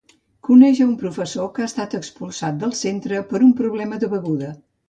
Coneix a un professor que ha estat expulsat del centre per un problema de beguda.